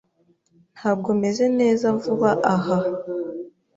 Ntabwo meze neza vuba aha.